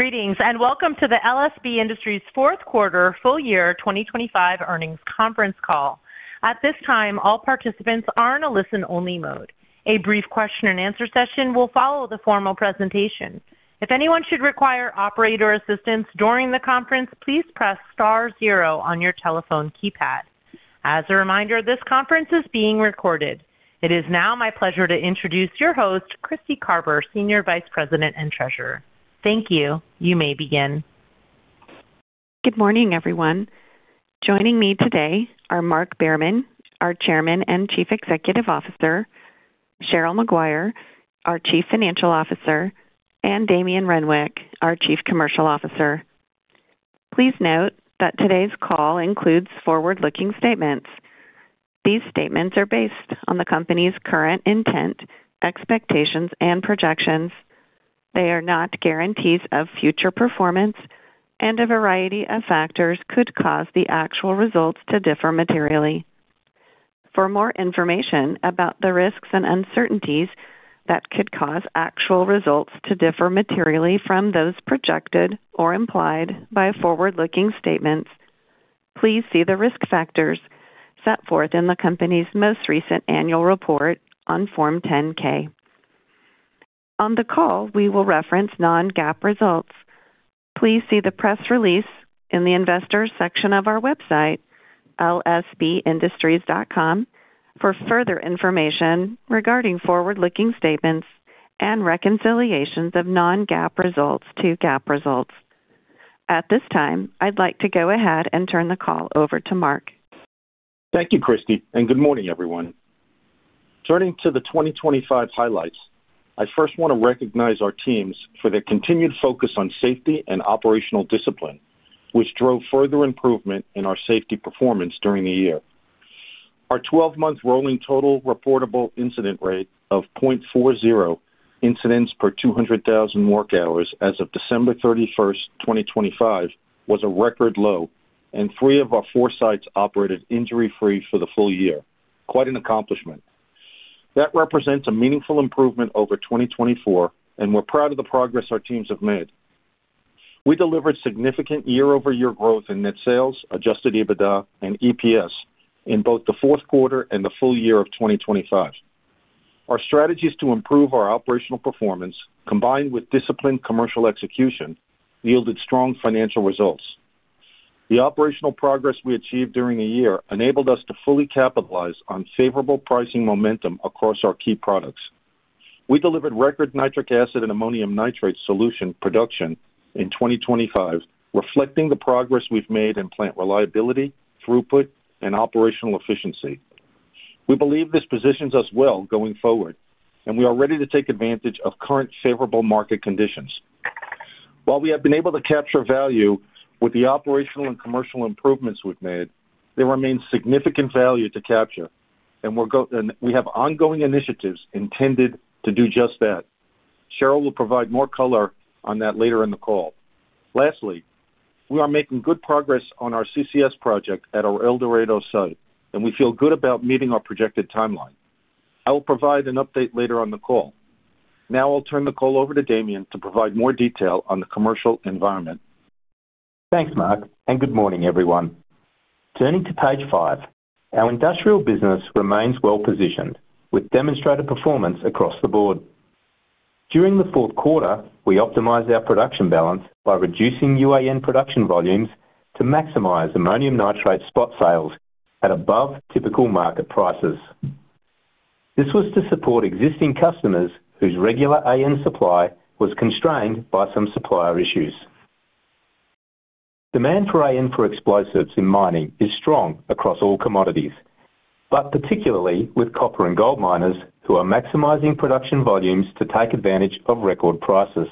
Greetings, welcome to the LSB Industries Fourth Quarter, Full Year 2025 Earnings Conference Call. At this time, all participants are in a listen-only mode. A brief question and answer session will follow the formal presentation. If anyone should require operator assistance during the conference, please press star zero on your telephone keypad. A reminder, this conference is being recorded. It is now my pleasure to introduce your host, Kristy Carver, Senior Vice President and Treasurer. Thank you. You may begin. Good morning, everyone. Joining me today are Mark Behrman, our Chairman and Chief Executive Officer, Cheryl Maguire, our Chief Financial Officer, and Damien Renwick, our Chief Commercial Officer. Please note that today's call includes forward-looking statements. These statements are based on the company's current intent, expectations, and projections. They are not guarantees of future performance. A variety of factors could cause the actual results to differ materially. For more information about the risks and uncertainties that could cause actual results to differ materially from those projected or implied by forward-looking statements, please see the risk factors set forth in the company's most recent annual report on Form 10-K. On the call, we will reference non-GAAP results. Please see the press release in the investor section of our website, lsbindustries.com, for further information regarding forward-looking statements and reconciliations of non-GAAP results to GAAP results. At this time, I'd like to go ahead and turn the call over to Mark. Thank you, Christy, and good morning, everyone. Turning to the 2025 highlights, I first want to recognize our teams for their continued focus on safety and operational discipline, which drove further improvement in our safety performance during the year. Our 12-month rolling total reportable incident rate of 0.40 incidents per 200,000 work hours as of December 31, 2025, was a record low, and three of our four sites operated injury-free for the full year. Quite an accomplishment. That represents a meaningful improvement over 2024, and we're proud of the progress our teams have made. We delivered significant year-over-year growth in net sales, Adjusted EBITDA, and EPS in both the fourth quarter and the full year of 2025. Our strategies to improve our operational performance, combined with disciplined commercial execution, yielded strong financial results. The operational progress we achieved during the year enabled us to fully capitalize on favorable pricing momentum across our key products. We delivered record nitric acid and ammonium nitrate solution production in 2025, reflecting the progress we've made in plant reliability, throughput, and operational efficiency. We believe this positions us well going forward, and we are ready to take advantage of current favorable market conditions. While we have been able to capture value with the operational and commercial improvements we've made, there remains significant value to capture, and we have ongoing initiatives intended to do just that. Cheryl will provide more color on that later in the call. Lastly, we are making good progress on our CCS project at our El Dorado site, and we feel good about meeting our projected timeline. I will provide an update later on the call. I'll turn the call over to Damien to provide more detail on the commercial environment. Thanks, Mark. Good morning, everyone. Turning to page five, our industrial business remains well-positioned, with demonstrated performance across the board. During the fourth quarter, we optimized our production balance by reducing UAN production volumes to maximize ammonium nitrate spot sales at above typical market prices. This was to support existing customers whose regular AN supply was constrained by some supplier issues. Demand for AN for explosives in mining is strong across all commodities, but particularly with copper and gold miners, who are maximizing production volumes to take advantage of record prices.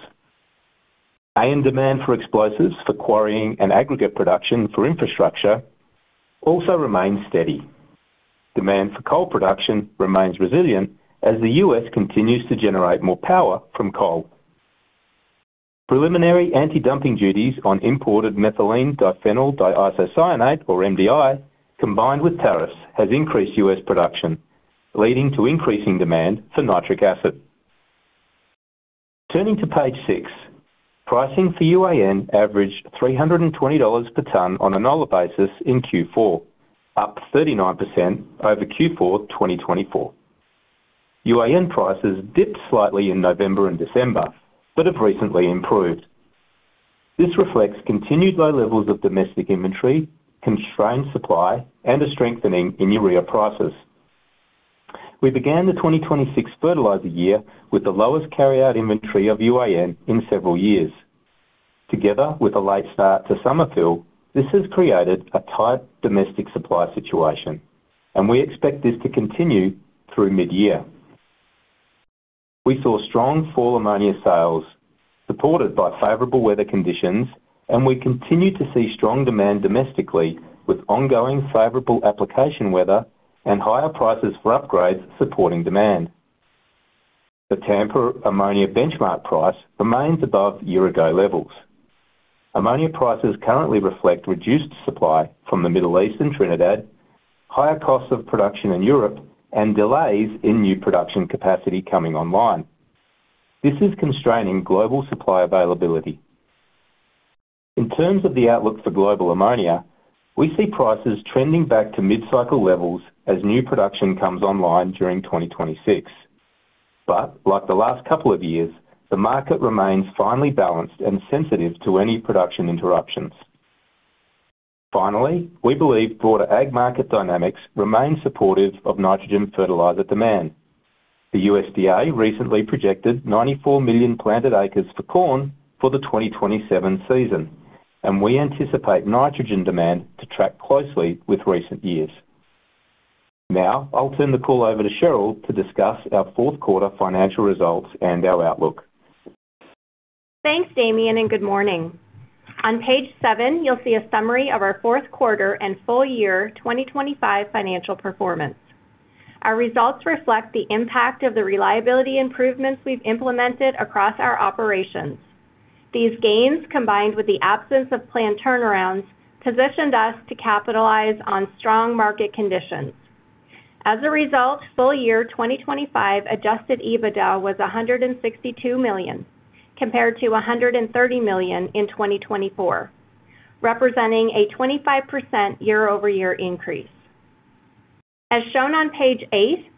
AN demand for explosives for quarrying and aggregate production for infrastructure also remains steady. Demand for coal production remains resilient as the U.S. continues to generate more power from coal. Preliminary antidumping duties on imported methylene diphenyl diisocyanate, or MDI, combined with tariffs, has increased U.S. production, leading to increasing demand for nitric acid. Turning to page six, pricing for UAN averaged $320 per ton on an annual basis in Q4, up 39% over Q4 2024. UAN prices dipped slightly in November and December, but have recently improved. This reflects continued low levels of domestic inventory, constrained supply, and a strengthening in urea prices. We began the 2026 fertilizer year with the lowest carry-out inventory of UAN in several years. Together with a late start to summer fill, this has created a tight domestic supply situation, and we expect this to continue through mid-year. We saw strong fall ammonia sales, supported by favorable weather conditions, and we continue to see strong demand domestically, with ongoing favorable application weather and higher prices for upgrades supporting demand. The Tampa Ammonia Benchmark price remains above year-ago levels. Ammonia prices currently reflect reduced supply from the Middle East and Trinidad, higher costs of production in Europe, and delays in new production capacity coming online. This is constraining global supply availability. In terms of the outlook for global ammonia, we see prices trending back to mid-cycle levels as new production comes online during 2026. Like the last couple of years, the market remains finely balanced and sensitive to any production interruptions. Finally, we believe broader ag market dynamics remain supportive of nitrogen fertilizer demand. The USDA recently projected 94 million planted acres for corn for the 2027 season, and we anticipate nitrogen demand to track closely with recent years. I'll turn the call over to Cheryl to discuss our fourth quarter financial results and our outlook. Thanks, Damien, good morning. On page seven, you'll see a summary of our fourth quarter and full year 2025 financial performance. Our results reflect the impact of the reliability improvements we've implemented across our operations. These gains, combined with the absence of planned turnarounds, positioned us to capitalize on strong market conditions. As a result, full year 2025 Adjusted EBITDA was $162 million, compared to $130 million in 2024, representing a 25% year-over-year increase. As shown on page eight,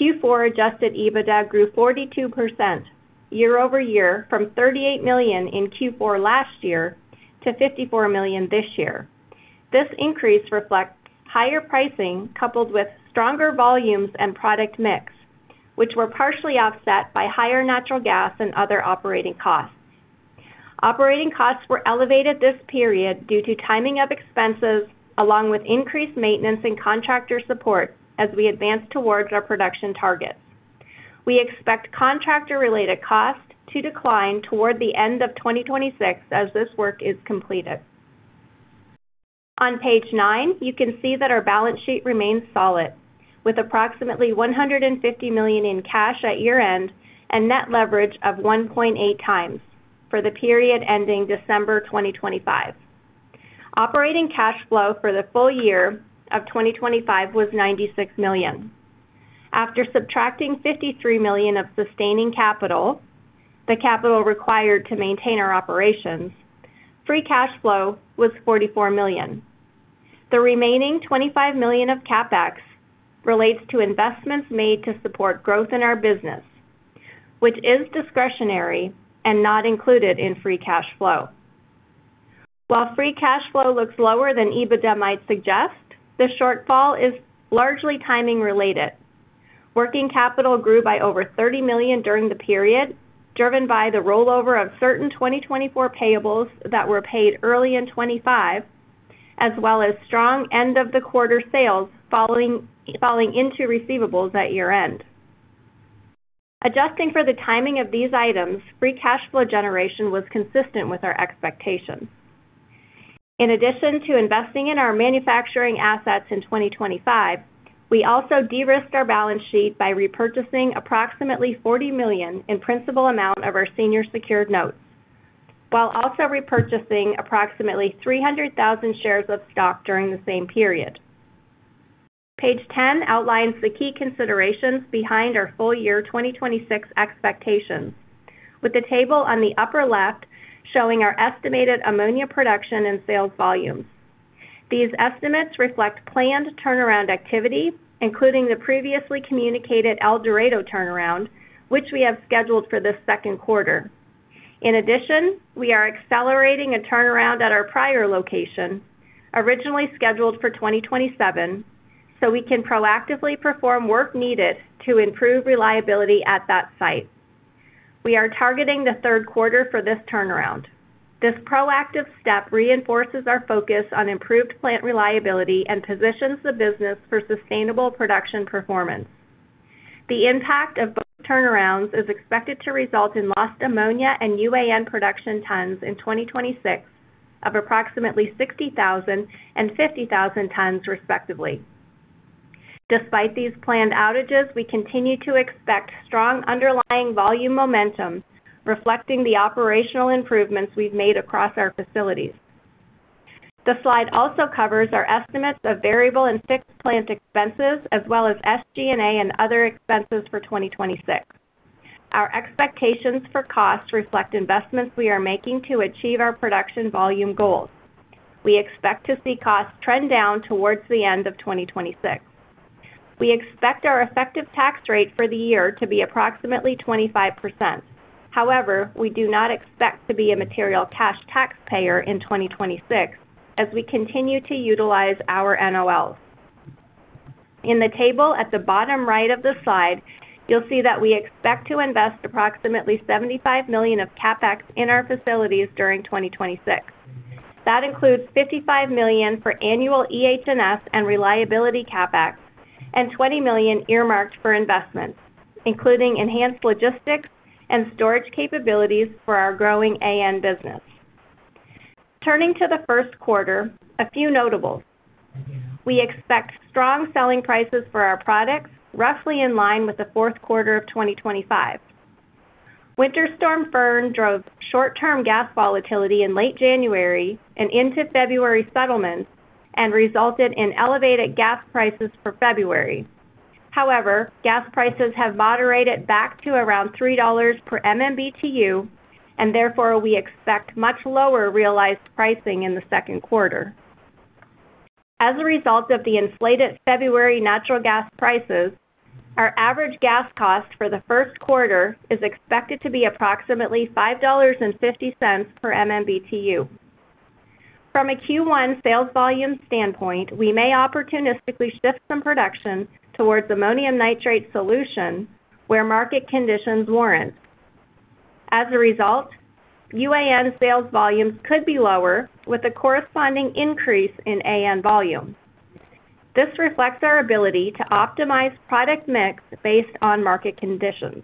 Q4 Adjusted EBITDA grew 42% year-over-year from $38 million in Q4 last year to $54 million this year. This increase reflects higher pricing, coupled with stronger volumes and product mix, which were partially offset by higher natural gas and other operating costs. Operating costs were elevated this period due to timing of expenses, along with increased maintenance and contractor support as we advance towards our production targets. We expect contractor-related costs to decline toward the end of 2026 as this work is completed. On page nine, you can see that our balance sheet remains solid, with approximately $150 million in cash at year-end and net leverage of 1.8x for the period ending December 2025. Operating cash flow for the full year of 2025 was $96 million. After subtracting $53 million of sustaining capital, the capital required to maintain our operations, free cash flow was $44 million. The remaining $25 million of CapEx relates to investments made to support growth in our business, which is discretionary and not included in free cash flow. While free cash flow looks lower than EBITDA might suggest, the shortfall is largely timing-related. Working capital grew by over $30 million during the period, driven by the rollover of certain 2024 payables that were paid early in 2025, as well as strong end-of-the-quarter sales falling into receivables at year-end. Adjusting for the timing of these items, free cash flow generation was consistent with our expectations. In addition to investing in our manufacturing assets in 2025, we also de-risked our balance sheet by repurchasing approximately $40 million in principal amount of our Senior Secured Notes, while also repurchasing approximately 300,000 shares of stock during the same period. Page 10 outlines the key considerations behind our full year 2026 expectations, with the table on the upper left showing our estimated ammonia production and sales volumes. These estimates reflect planned turnaround activity, including the previously communicated El Dorado turnaround, which we have scheduled for the second quarter. In addition, we are accelerating a turnaround at our Pryor location, originally scheduled for 2027, so we can proactively perform work needed to improve reliability at that site. We are targeting the third quarter for this turnaround. This proactive step reinforces our focus on improved plant reliability and positions the business for sustainable production performance. The impact of both turnarounds is expected to result in lost ammonia and UAN production tons in 2026 of approximately 60,000 and 50,000 tons, respectively. Despite these planned outages, we continue to expect strong underlying volume momentum, reflecting the operational improvements we've made across our facilities. The slide also covers our estimates of variable and fixed plant expenses, as well as SG&A and other expenses for 2026. Our expectations for costs reflect investments we are making to achieve our production volume goals. We expect to see costs trend down towards the end of 2026. We expect our effective tax rate for the year to be approximately 25%. However, we do not expect to be a material cash taxpayer in 2026 as we continue to utilize our NOLs. In the table at the bottom right of the slide, you'll see that we expect to invest approximately $75 million of CapEx in our facilities during 2026. That includes $55 million for annual EH&S and reliability CapEx and $20 million earmarked for investments, including enhanced logistics and storage capabilities for our growing AN business. Turning to the first quarter, a few notables. We expect strong selling prices for our products, roughly in line with the fourth quarter of 2025. Winter Storm Fern drove short-term gas volatility in late January and into February settlements and resulted in elevated gas prices for February. Gas prices have moderated back to around $3 per MMBtu, and therefore, we expect much lower realized pricing in the second quarter. As a result of the inflated February natural gas prices, our average gas cost for the first quarter is expected to be approximately $5.50 per MMBtu. From a Q1 sales volume standpoint, we may opportunistically shift some production towards ammonium nitrate solution where market conditions warrant. UAN sales volumes could be lower, with a corresponding increase in AN volumes. This reflects our ability to optimize product mix based on market conditions.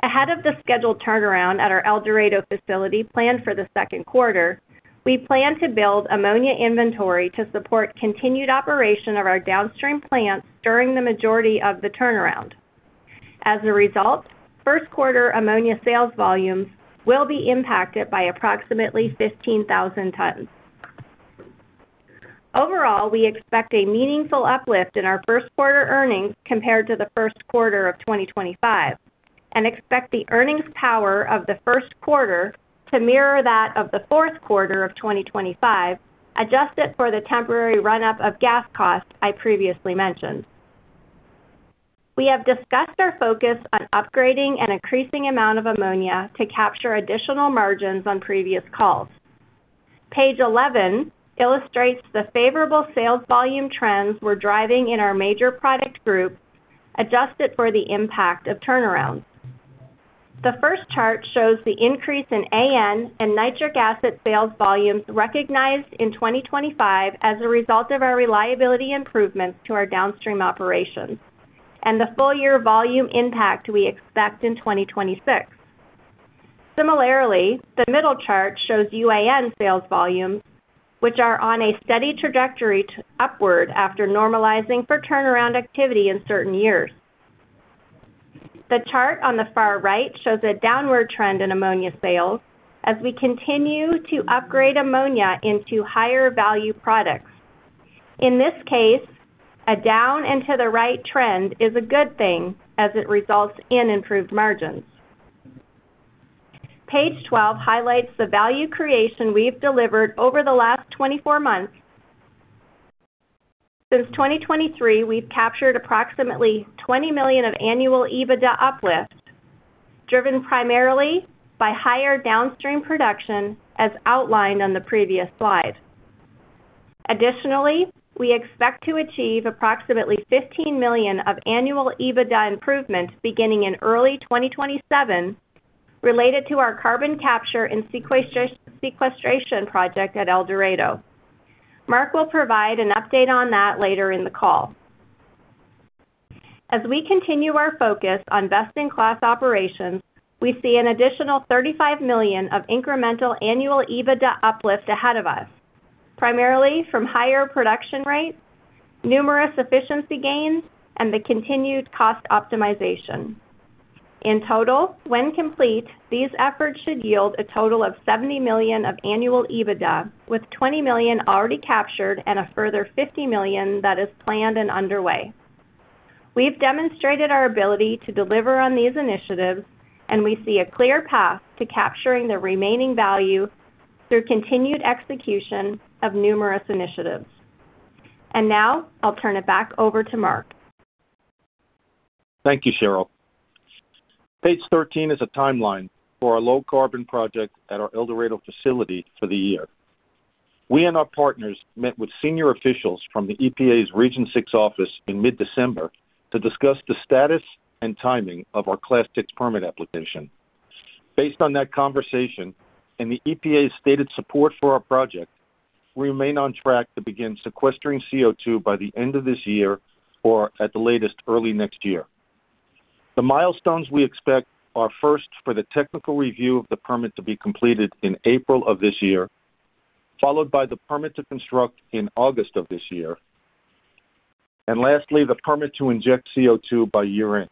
Ahead of the scheduled turnaround at our El Dorado facility planned for the second quarter, we plan to build ammonia inventory to support continued operation of our downstream plants during the majority of the turnaround. As a result, first quarter ammonia sales volumes will be impacted by approximately 15,000 tons. Overall, we expect a meaningful uplift in our first quarter earnings compared to the first quarter of 2025, and expect the earnings power of the first quarter to mirror that of the fourth quarter of 2025, adjusted for the temporary run-up of gas costs I previously mentioned. We have discussed our focus on upgrading and increasing amount of ammonia to capture additional margins on previous calls. Page 11 illustrates the favorable sales volume trends we're driving in our major product groups, adjusted for the impact of turnarounds. The first chart shows the increase in AN and nitric acid sales volumes recognized in 2025 as a result of our reliability improvements to our downstream operations, and the full year volume impact we expect in 2026. Similarly, the middle chart shows UAN sales volumes, which are on a steady trajectory upward after normalizing for turnaround activity in certain years. The chart on the far right shows a downward trend in ammonia sales as we continue to upgrade ammonia into higher value products. In this case, a down and to the right trend is a good thing as it results in improved margins. Page 12 highlights the value creation we've delivered over the last 24 months. Since 2023, we've captured approximately $20 million of annual EBITDA uplift, driven primarily by higher downstream production, as outlined on the previous slide. Additionally, we expect to achieve approximately $15 million of annual EBITDA improvements beginning in early 2027, related to our carbon capture and sequestration project at El Dorado. Mark will provide an update on that later in the call. As we continue our focus on best-in-class operations, we see an additional $35 million of incremental annual EBITDA uplift ahead of us, primarily from higher production rates, numerous efficiency gains, and the continued cost optimization. In total, when complete, these efforts should yield a total of $70 million of annual EBITDA, with $20 million already captured and a further $50 million that is planned and underway. We've demonstrated our ability to deliver on these initiatives, and we see a clear path to capturing the remaining value through continued execution of numerous initiatives. Now I'll turn it back over to Mark. Thank you, Cheryl. Page 13 is a timeline for our low carbon project at our El Dorado facility for the year. We and our partners met with senior officials from the EPA's Region 6 office in mid-December to discuss the status and timing of our Class VI permit application. Based on that conversation, and the EPA's stated support for our project, we remain on track to begin sequestering CO2 by the end of this year or, at the latest, early next year. The milestones we expect are first for the technical review of the permit to be completed in April of this year, followed by the permit to construct in August of this year, and lastly, the permit to inject CO2 by year-end.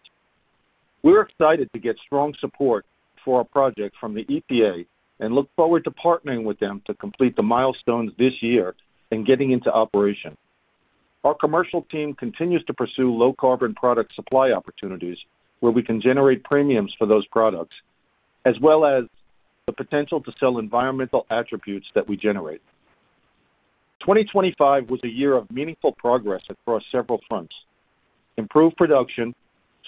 We're excited to get strong support for our project from the EPA and look forward to partnering with them to complete the milestones this year and getting into operation. Our commercial team continues to pursue low carbon product supply opportunities where we can generate premiums for those products, as well as the potential to sell environmental attributes that we generate. 2025 was a year of meaningful progress across several fronts. Improved production,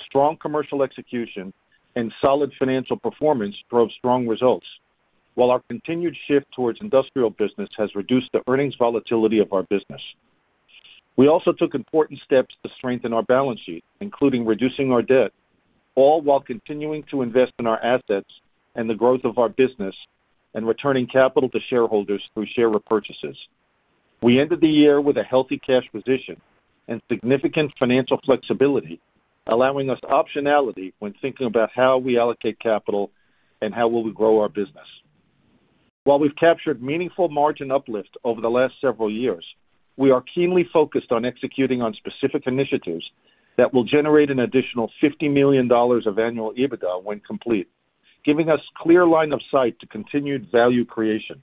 strong commercial execution, and solid financial performance drove strong results, while our continued shift towards industrial business has reduced the earnings volatility of our business. We also took important steps to strengthen our balance sheet, including reducing our debt, all while continuing to invest in our assets and the growth of our business and returning capital to shareholders through share repurchases. We ended the year with a healthy cash position and significant financial flexibility. allowing us optionality when thinking about how we allocate capital and how will we grow our business. While we've captured meaningful margin uplift over the last several years, we are keenly focused on executing on specific initiatives that will generate an additional $50 million of annual EBITDA when complete, giving us clear line of sight to continued value creation.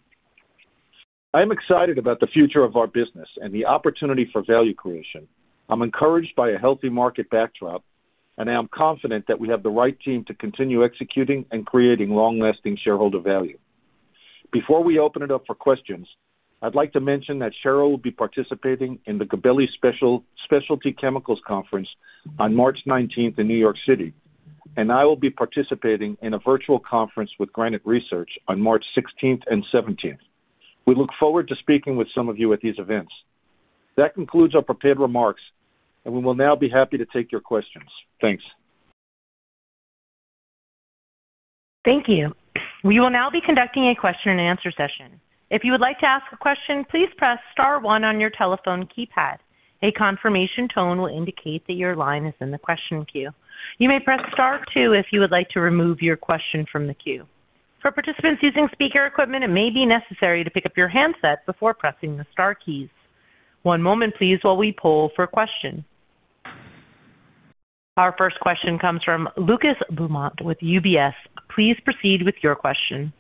I'm excited about the future of our business and the opportunity for value creation. I am confident that we have the right team to continue executing and creating long-lasting shareholder value. Before we open it up for questions, I'd like to mention that Cheryl will be participating in the Gabelli Specialty Chemicals Conference on March 19th in New York City, I will be participating in a virtual conference with Granite Research on March 16th and 17th. We look forward to speaking with some of you at these events. That concludes our prepared remarks, and we will now be happy to take your questions. Thanks. Thank you. We will now be conducting a question-and-answer session. If you would like to ask a question, please press Star One on your telephone keypad. A confirmation tone will indicate that your line is in the question queue. You may press Star Two if you would like to remove your question from the queue. For participants using speaker equipment, it may be necessary to pick up your handset before pressing the star keys. One moment, please, while we poll for a question. Our first question comes from Lucas Beaumont with UBS. Please proceed with your question.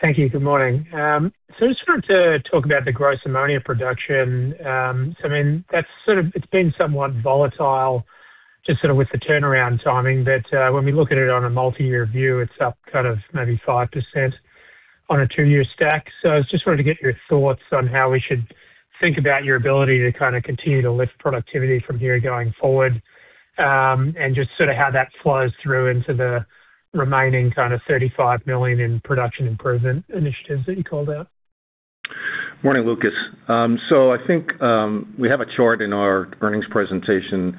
Thank you. Good morning. I just wanted to talk about the gross ammonia production. I mean, that's sort of, it's been somewhat volatile, just sort of with the turnaround timing. When we look at it on a multi-year view, it's up kind of maybe 5% on a two-year stack. I just wanted to get your thoughts on how we should think about your ability to kind of continue to lift productivity from here going forward, and just sort of how that flows through into the remaining kind of $35 million in production improvement initiatives that you called out. Morning, Lucas. I think we have a chart in our earnings presentation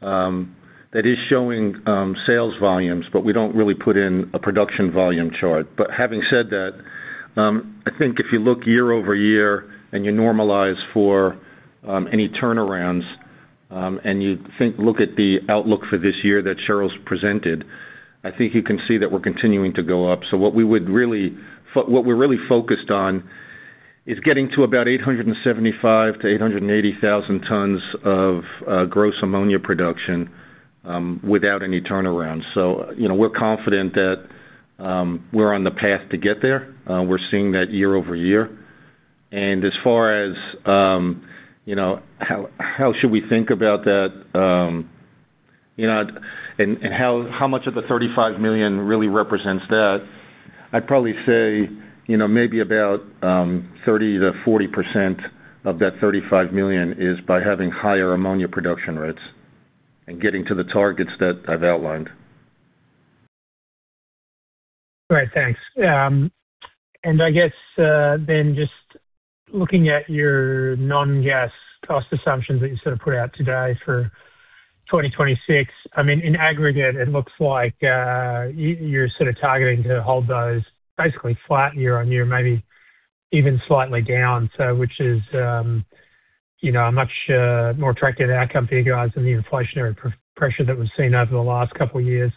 that is showing sales volumes, but we don't really put in a production volume chart. Having said that, I think if you look year-over-year and you normalize for any turnarounds, and you think look at the outlook for this year that Cheryl's presented, I think you can see that we're continuing to go up. What we're really focused on is getting to about 875,000-880,000 tons of gross ammonia production without any turnarounds. You know, we're confident that we're on the path to get there. We're seeing that year-over-year. As far as, you know, how should we think about that? You know, how much of the $35 million really represents that? I'd probably say, you know, maybe about 30%-40% of that $35 million is by having higher ammonia production rates and getting to the targets that I've outlined. Great, thanks. I guess, then just looking at your non-gas cost assumptions that you sort of put out today for 2026, I mean, in aggregate, it looks like, you're sort of targeting to hold those basically flat year-on-year, maybe even slightly down. Which is, you know, a much, more attractive outcome for you guys than the inflationary pressure that we've seen over the last couple of years.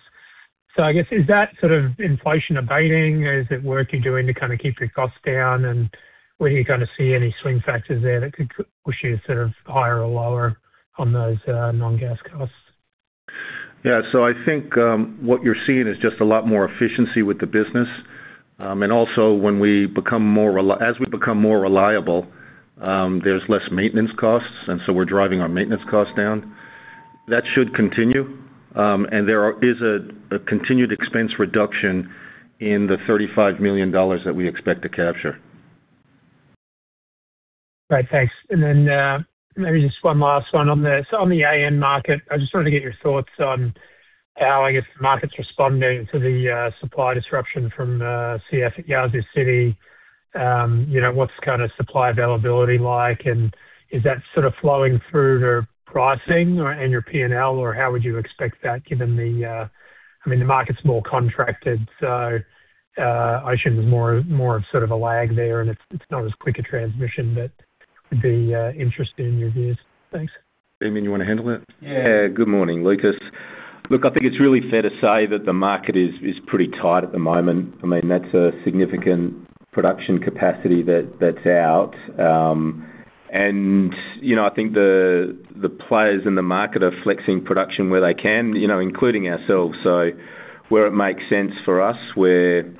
I guess, is that sort of inflation abating? Is it work you're doing to kind of keep your costs down? Where are you gonna see any swing factors there that could push you sort of higher or lower on those, non-gas costs? Yeah. I think what you're seeing is just a lot more efficiency with the business. Also, as we become more reliable, there's less maintenance costs. We're driving our maintenance costs down. That should continue. There is a continued expense reduction in the $35 million that we expect to capture. Great, thanks. Maybe just one last one so on the AN market, I just wanted to get your thoughts on how, I guess, the market's responding to the supply disruption from CF at Yazoo City. You know, what's kind of supply availability like? Is that sort of flowing through to pricing or, and your P&L, or how would you expect that, given I mean, the market's more contracted, so I assume more, more of sort of a lag there, and it's not as quick a transmission, but would be interested in your views. Thanks. Damian, you wanna handle that? Good morning, Lucas. I think it's really fair to say that the market is pretty tight at the moment. I mean, that's a significant production capacity that's out. You know, I think the players in the market are flexing production where they can, you know, including ourselves. Where it makes sense for us, we're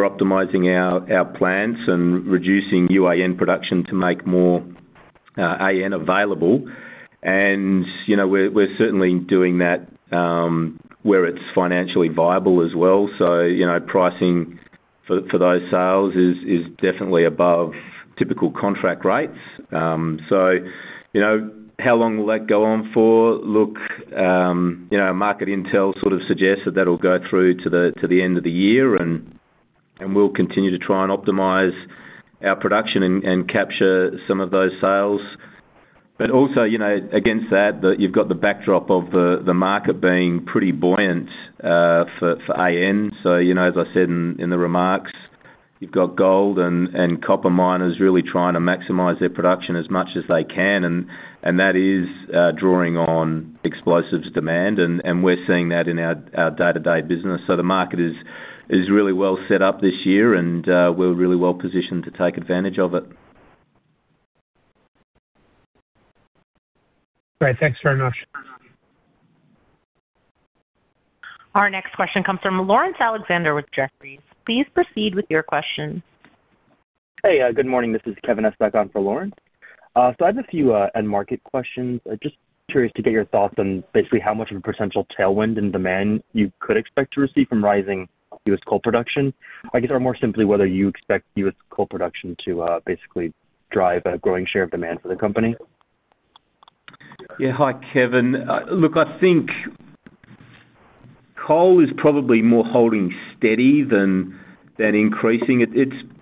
optimizing our plants and reducing UAN production to make more AN available. You know, we're certainly doing that where it's financially viable as well. You know, pricing for those sales is definitely above typical contract rates. You know, how long will that go on for? Look, you know, market intel sort of suggests that that will go through to the end of the year, and we'll continue to try and optimize our production and capture some of those sales. Also, you know, against that, you've got the backdrop of the market being pretty buoyant for AN. You know, as I said in the remarks, you've got gold and copper miners really trying to maximize their production as much as they can, and that is drawing on explosives demand, and we're seeing that in our day-to-day business. The market is really well set up this year, and we're really well positioned to take advantage of it. Great. Thanks very much. Our next question comes from Laurence Alexander with Jefferies. Please proceed with your question. Hey, good morning. This is Kevin Estok on for Laurence. I have a few end market questions. I'm just curious to get your thoughts on basically how much of a potential tailwind in demand you could expect to receive from rising U.S. coal production? I guess, or more simply, whether you expect U.S. coal production to basically drive a growing share of demand for the company. Hi, Kevin. Look, I think coal is probably more holding steady than increasing.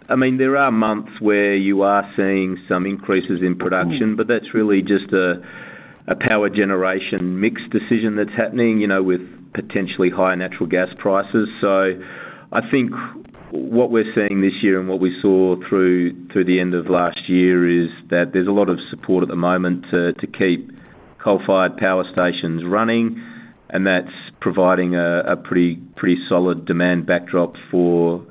I mean, there are months where you are seeing some increases in production, but that's really just a power generation mix decision that's happening, you know, with potentially higher natural gas prices. I think what we're seeing this year and what we saw through the end of last year is that there's a lot of support at the moment to keep coal-fired power stations running, and that's providing a pretty solid demand backdrop for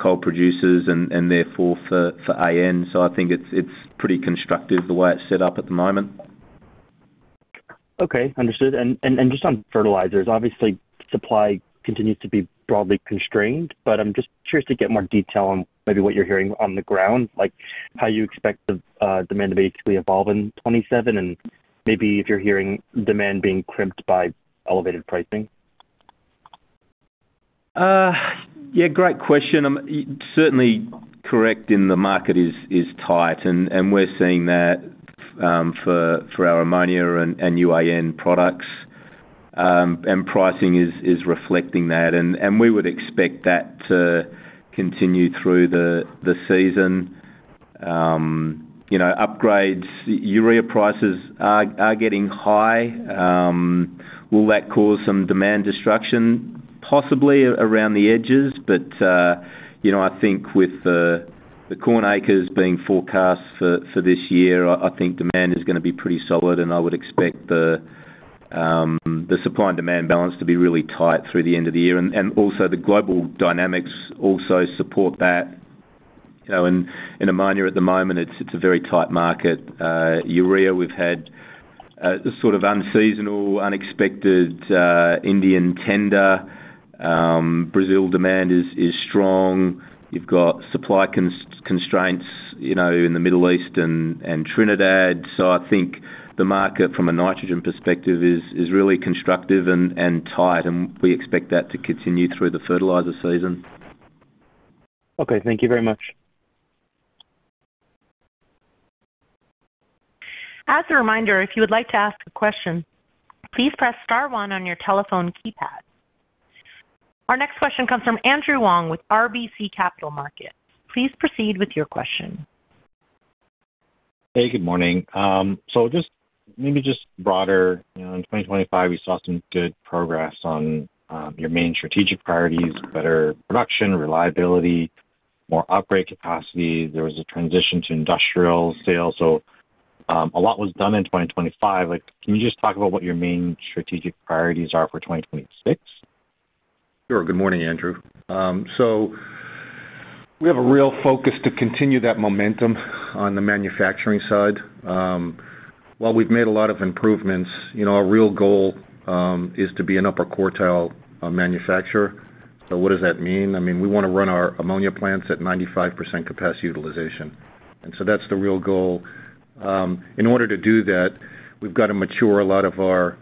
coal producers and therefore for AN. I think it's pretty constructive the way it's set up at the moment. Okay, understood. Just on fertilizers, obviously, supply continues to be broadly constrained, but I'm just curious to get more detail on maybe what you're hearing on the ground, like how you expect the demand to basically evolve in 2027, and maybe if you're hearing demand being crimped by elevated pricing. Great question. You certainly correct in the market is tight, and we're seeing that for our ammonia and UAN products, and pricing is reflecting that. We would expect that to continue through the season. You know, upgrades, urea prices are getting high. Will that cause some demand destruction? Possibly around the edges, but, you know, I think with the corn acres being forecast for this year, I think demand is going to be pretty solid, and I would expect the supply and demand balance to be really tight through the end of the year. Also the global dynamics also support that. You know, in ammonia at the moment, it's a very tight market. Urea, we've had the sort of unseasonal, unexpected, Indian tender. Brazil demand is strong. You've got supply constraints, you know, in the Middle East and Trinidad. I think the market, from a nitrogen perspective, is really constructive and tight, and we expect that to continue through the fertilizer season. Okay, thank you very much. As a reminder, if you would like to ask a question, please press star one on your telephone keypad. Our next question comes from Andrew Wong with RBC Capital Markets. Please proceed with your question. Hey, good morning. just maybe just broader, you know, in 2025, we saw some good progress on your main strategic priorities: better production, reliability, more upgrade capacity. There was a transition to industrial sales. A lot was done in 2025. Like, can you just talk about what your main strategic priorities are for 2026? Sure. Good morning, Andrew. We have a real focus to continue that momentum on the manufacturing side. While we've made a lot of improvements, you know, our real goal is to be an upper quartile manufacturer. What does that mean? I mean, we want to run our ammonia plants at 95% capacity utilization, that's the real goal. In order to do that, we've got to mature a lot of our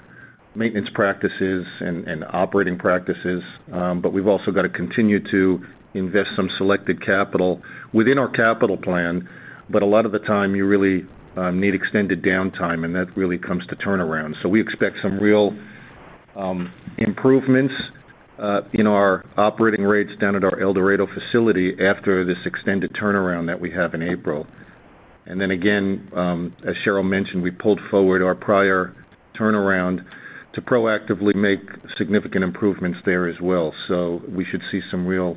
maintenance practices and operating practices, we've also got to continue to invest some selected capital within our capital plan. A lot of the time you really need extended downtime, and that really comes to turnaround. We expect some real improvements in our operating rates down at our El Dorado facility after this extended turnaround that we have in April. Again, as Cheryl mentioned, we pulled forward our prior turnaround to proactively make significant improvements there as well. We should see some real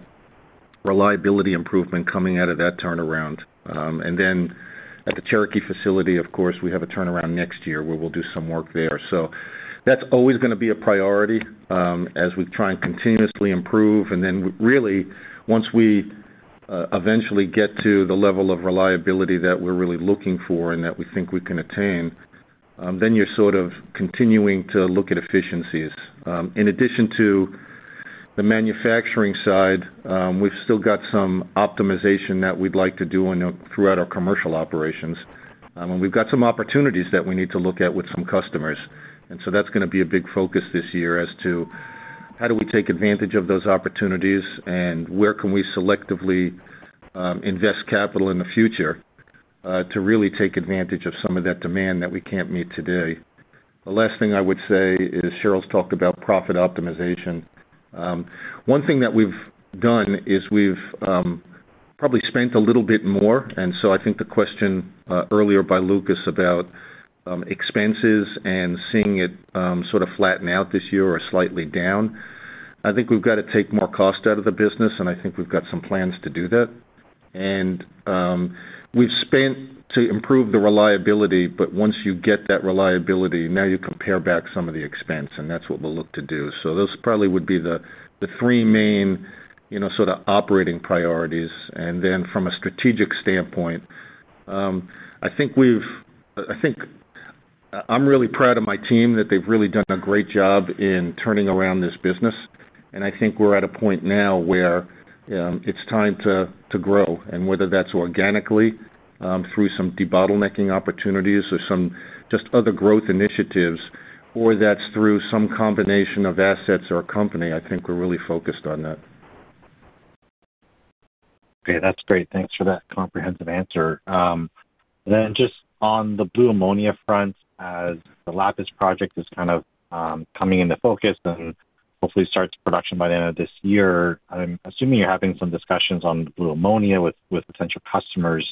reliability improvement coming out of that turnaround. At the Cherokee Facility, of course, we have a turnaround next year, where we'll do some work there. That's always going to be a priority as we try and continuously improve. Really, once we eventually get to the level of reliability that we're really looking for and that we think we can attain, then you're sort of continuing to look at efficiencies. In addition to the manufacturing side, we've still got some optimization that we'd like to do throughout our commercial operations. We've got some opportunities that we need to look at with some customers, that's gonna be a big focus this year as to how do we take advantage of those opportunities, and where can we selectively invest capital in the future to really take advantage of some of that demand that we can't meet today? The last thing I would say is, Cheryl's talked about profit optimization. One thing that we've done is we've probably spent a little bit more, and so I think the question earlier by Lucas expenses and seeing it sort of flatten out this year or slightly down. I think we've got to take more cost out of the business, and I think we've got some plans to do that. We've spent to improve the reliability, but once you get that reliability, now you pare back some of the expense, and that's what we'll look to do. Those probably would be the three main, you know, sort of operating priorities. From a strategic standpoint, I think I'm really proud of my team, that they've really done a great job in turning around this business. I think we're at a point now where it's time to grow. Whether that's organically, through some debottlenecking opportunities or some just other growth initiatives, or that's through some combination of assets or company, I think we're really focused on that. Okay, that's great. Thanks for that comprehensive answer. Just on the blue ammonia front, as the Lapis project is kind of coming into focus and hopefully starts production by the end of this year, I'm assuming you're having some discussions on blue ammonia with potential customers.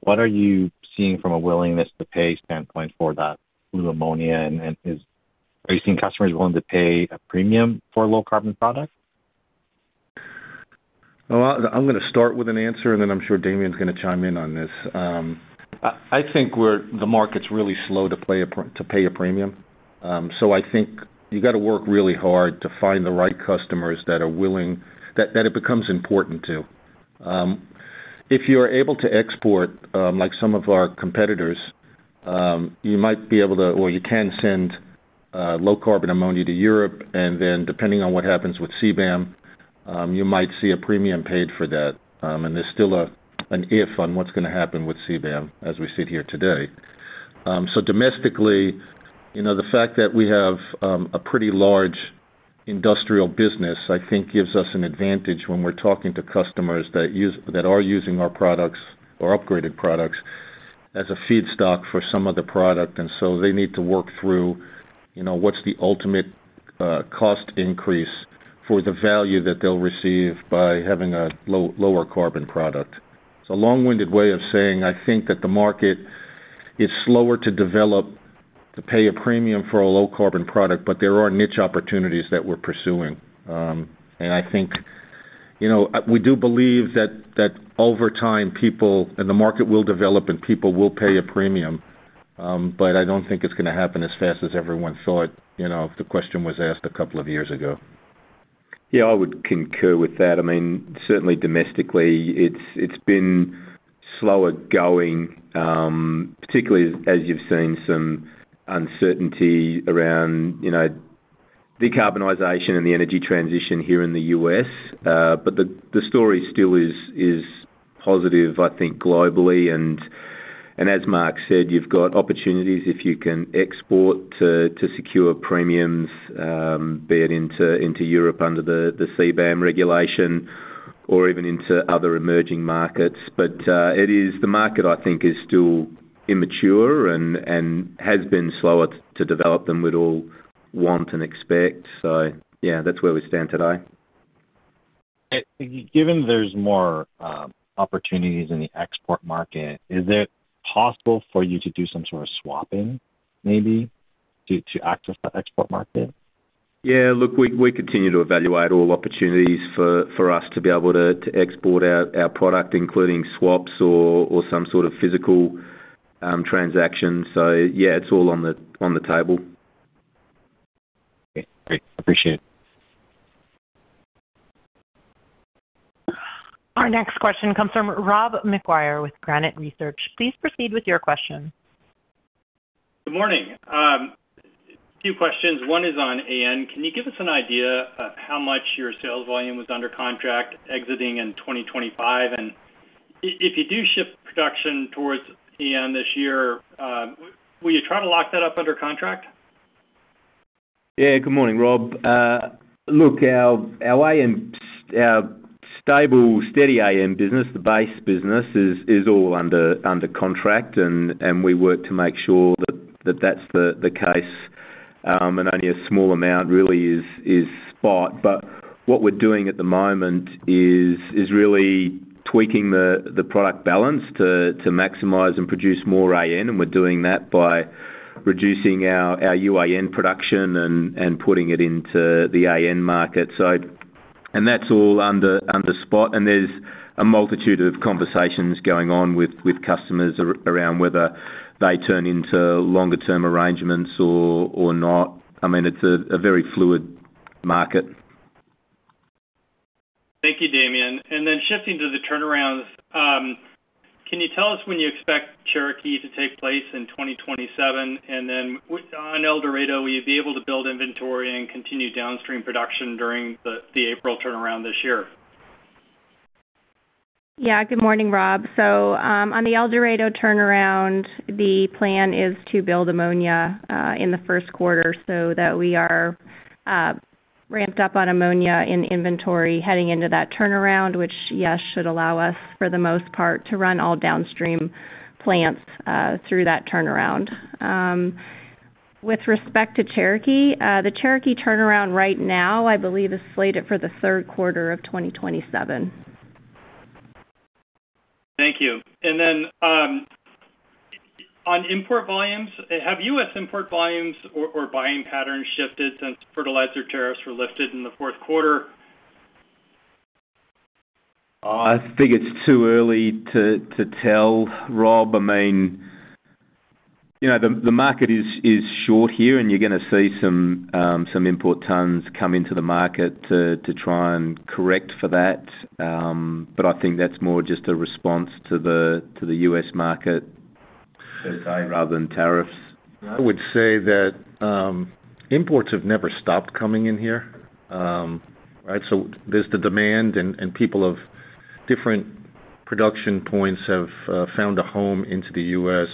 What are you seeing from a willingness to pay standpoint for that blue ammonia, and are you seeing customers willing to pay a premium for a low-carbon product? Well, I'm gonna start with an answer, and then I'm sure Damien's gonna chime in on this. I think the market's really slow to pay a premium. I think you've got to work really hard to find the right customers that are willing, that it becomes important to. If you're able to export, like some of our competitors, you might be able to, or you can send low-carbon ammonia to Europe, and then depending on what happens with CBAM, you might see a premium paid for that. There's still a, an if on what's gonna happen with CBAM as we sit here today. Domestically, you know, the fact that we have a pretty large industrial business, I think gives us an advantage when we're talking to customers that are using our products or upgraded products as a feedstock for some of the product. They need to work through, you know, what's the ultimate cost increase for the value that they'll receive by having a lower carbon product. It's a long-winded way of saying, I think that the market is slower to develop, to pay a premium for a low-carbon product, but there are niche opportunities that we're pursuing. I think, you know, we do believe that over time, people and the market will develop, and people will pay a premium, but I don't think it's gonna happen as fast as everyone thought, you know, if the question was asked a couple of years ago. Yeah, I would concur with that. I mean, certainly domestically, it's been slower going, particularly as you've seen some uncertainty around, you know, decarbonization and the energy transition here in the U.S. But the story still is positive, I think, globally. As Mark said, you've got opportunities if you can export to secure premiums, be it into Europe under the CBAM regulation or even into other emerging markets. It is, the market, I think, is still immature and has been slower to develop than we'd all want and expect. Yeah, that's where we stand today. Given there's more opportunities in the export market, is it possible for you to do some sort of swapping, maybe, to access that export market? Yeah. Look, we continue to evaluate all opportunities for us to be able to export our product, including swaps or some sort of physical transaction. Yeah, it's all on the table. Okay, great. Appreciate it. Our next question comes from Rob McGuire with Granite Research. Please proceed with your question. Good morning. Two questions. One is on AN. Can you give us an idea of how much your sales volume was under contract exiting in 2025? If you do shift production towards AN this year, will you try to lock that up under contract? Good morning, Rob. Look, our AN, our stable, steady AN business, the base business, is all under contract, and we work to make sure that that's the case, and only a small amount really is spot. What we're doing at the moment is really tweaking the product balance to maximize and produce more AN, and we're doing that by reducing our UAN production and putting it into the AN market. That's all under spot, and there's a multitude of conversations going on with customers around whether they turn into longer-term arrangements or not. I mean, it's a very fluid market. Thank you, Damien. Shifting to the turnarounds, can you tell us when you expect Cherokee to take place in 2027? On El Dorado, will you be able to build inventory and continue downstream production during the April turnaround this year? Good morning, Rob. On the El Dorado turnaround, the plan is to build ammonia in the first quarter so that we are ramped up on ammonia in inventory heading into that turnaround, which, yes, should allow us, for the most part, to run all downstream plants through that turnaround. With respect to Cherokee, the Cherokee turnaround right now, I believe, is slated for the third quarter of 2027. Thank you. On import volumes, have U.S. import volumes or buying patterns shifted since fertilizer tariffs were lifted in the fourth quarter? I think it's too early to tell, Rob. I mean, you know, the market is short here, and you're gonna see some import tons come into the market to try and correct for that. But I think that's more just a response to the U.S. market per se, rather than tariffs. I would say that imports have never stopped coming in here. Right? There's the demand, and people of different production points have found a home into the U.S.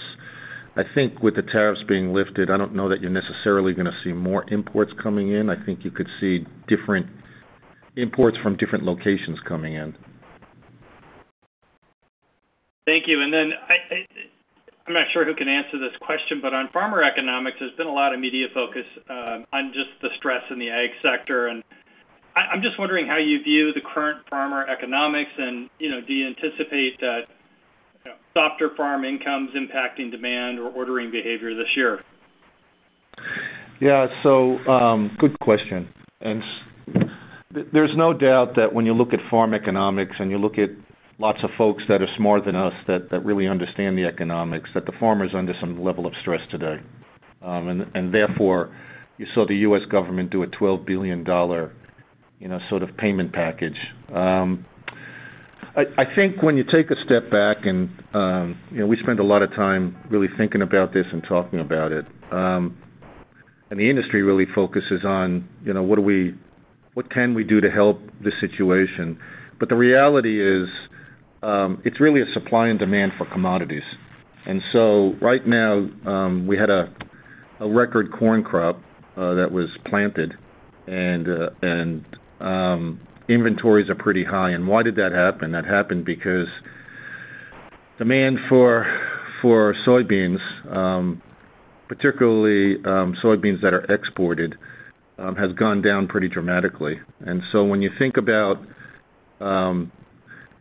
I think with the tariffs being lifted, I don't know that you're necessarily gonna see more imports coming in. I think you could see different imports from different locations coming in. Thank you. I'm not sure who can answer this question, but on farmer economics, there's been a lot of media focus on just the stress in the ag sector, I'm just wondering how you view the current farmer economics and, you know, do you anticipate that, you know, softer farm incomes impacting demand or ordering behavior this year? Yeah. Good question, and there's no doubt that when you look at farm economics and you look at lots of folks that are smarter than us, that really understand the economics, that the farmer is under some level of stress today. Therefore, you saw the U.S. government do a $12 billion, you know, sort of payment package. I think when you take a step back and, you know, we spend a lot of time really thinking about this and talking about it, and the industry really focuses on, you know, what can we do to help the situation? The reality is, it's really a supply and demand for commodities. Right now, we had a record corn crop, that was planted, and inventories are pretty high. Why did that happen? That happened because demand for soybeans, particularly, soybeans that are exported, has gone down pretty dramatically. When you think about,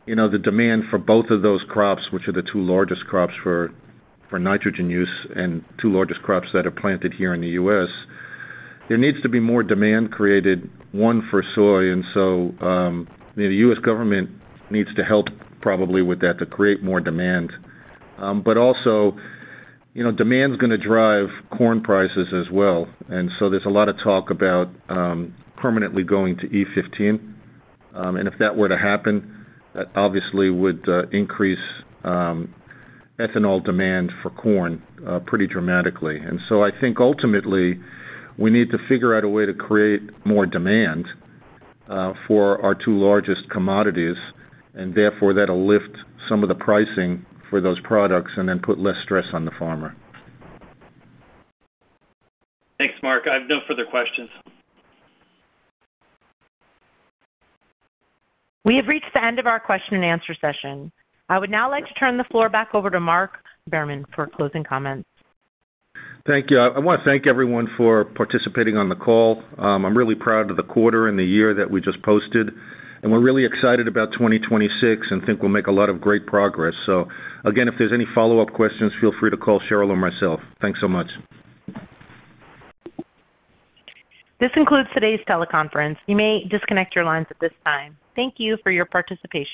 you know, the demand for both of those crops, which are the two largest crops for nitrogen use and two largest crops that are planted here in the U.S., there needs to be more demand created, one, for soy. The U.S. government needs to help probably with that, to create more demand. Also, you know, demand's gonna drive corn prices as well. There's a lot of talk about, permanently going to E15. If that were to happen, that obviously would, increase, ethanol demand for corn, pretty dramatically. I think ultimately, we need to figure out a way to create more demand for our two largest commodities, and therefore, that'll lift some of the pricing for those products and then put less stress on the farmer. Thanks, Mark. I have no further questions. We have reached the end of our question and answer session. I would now like to turn the floor back over to Mark Behrman for closing comments. Thank you. I wanna thank everyone for participating on the call. I'm really proud of the quarter and the year that we just posted. We're really excited about 2026 and think we'll make a lot of great progress. Again, if there's any follow-up questions, feel free to call Cheryl or myself. Thanks so much. This concludes today's teleconference. You may disconnect your lines at this time. Thank you for your participation.